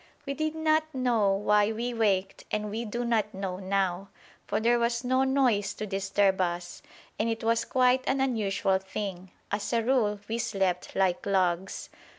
We did not know why we waked and we do not know now, for there was no noise to disturb us, and it was quite an unusual thing: as a rule we slept like logs.